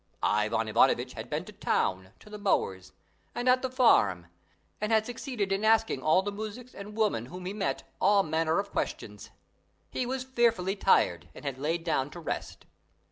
Ivan Ivanovitch had been to town, to the mower's, and at the farm, and had succeeded in asking all the muzhiks and women whom he met all manner of questions. He was fearfully tired and had laid down to rest.